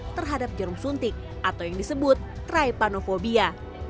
terhadap jarum suntik atau yang disebut trepanofobia